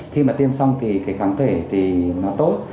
khi mà tiêm xong thì cái kháng thể thì nó tốt